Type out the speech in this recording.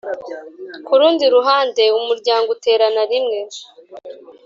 Ku rundi ruhande Umuryango uterana rimwe